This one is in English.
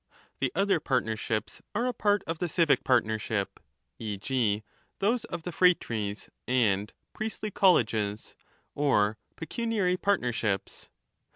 The other partnerships are a part of the civic partnership, 25 e. g. those of the phratries and priestly colleges ^ or pecu niary partnerships.